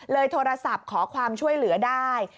โทรศัพท์ขอความช่วยเหลือได้